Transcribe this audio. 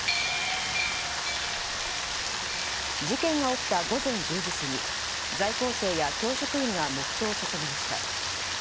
事件が起きた午前１０時過ぎ在校生や教職員が黙祷を捧げました。